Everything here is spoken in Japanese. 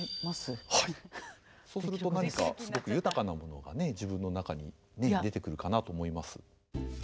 そうすると何かすごく豊かなものがね自分の中にね出てくるかなと思います。